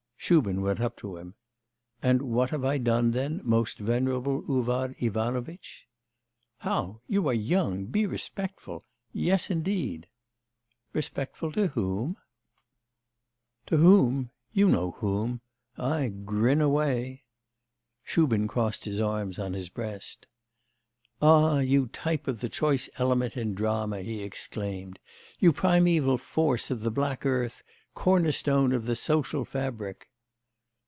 Shubin went up to him. 'And what have I done, then, most venerable Uvar Ivanovitch?' 'How! you are young, be respectful. Yes indeed.' 'Respectful to whom?' 'To whom? You know whom. Ay, grin away.' Shubin crossed his arms on his breast. 'Ah, you type of the choice element in drama,' he exclaimed, 'you primeval force of the black earth, cornerstone of the social fabric!